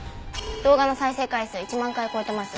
動画の再生回数１万回を超えてます。